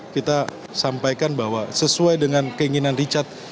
kita sampaikan bahwa sesuai dengan keinginan richard